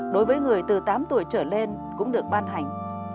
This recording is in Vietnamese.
đối với người từ tám tuổi trở lên cũng được ban hành